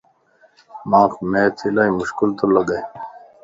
مانک Math الائي مشڪل تو لڳ